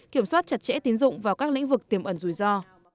kiểm soát chặt chẽ tín dụng vào các lĩnh vực tiềm ẩn rủi ro